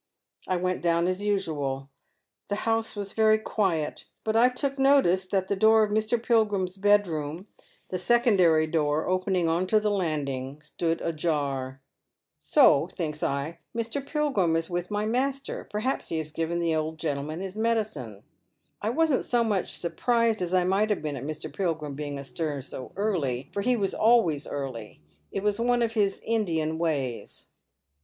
I went down as usual. The house was very quiet ; but I took notice that the door of Mr. Pilgrim's bedroom — the secondary door opening on to the landing — stood ajar. So, thinks I, Mr. Pilgrim is with my master, perhaps he has giveii tijc old g^ontlcuian hie medicine. I wasn't so much Commtttcit for Trial. 373 •orpnsed ae I might have been at Mr. Pilpjim being astir so early, for he always was early. It was one of his Indian ways.